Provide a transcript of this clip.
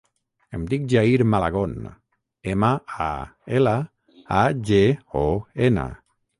Em dic Jair Malagon: ema, a, ela, a, ge, o, ena.